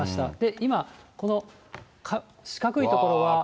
今、この四角い所が。